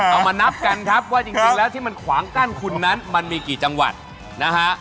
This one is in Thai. เอามานับกันครับว่าจริงแล้วที่มันขวางกั้นคุณนั้นมันมีกี่จังหวัดนะฮะ